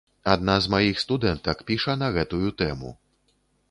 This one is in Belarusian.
Адна з маіх студэнтак піша на гэтую тэму.